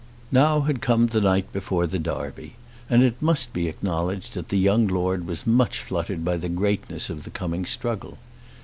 Now had come the night before the Derby, and it must be acknowledged that the young Lord was much fluttered by the greatness of the coming struggle.